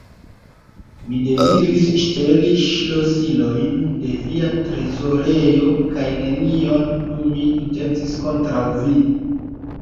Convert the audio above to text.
Mi deziris ŝteli ŝlosilojn de via trezorejo kaj nenion plu mi intencis kontraŭ vi!